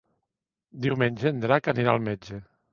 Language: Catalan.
Diumenge en Drac anirà al metge.